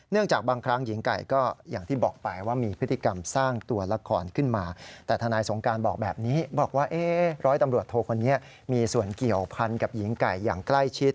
จากบางครั้งหญิงไก่ก็อย่างที่บอกไปว่ามีพฤติกรรมสร้างตัวละครขึ้นมาแต่ทนายสงการบอกแบบนี้บอกว่าร้อยตำรวจโทคนนี้มีส่วนเกี่ยวพันกับหญิงไก่อย่างใกล้ชิด